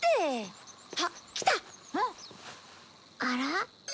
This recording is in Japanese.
あら？